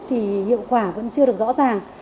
thì hiệu quả vẫn chưa được rõ ràng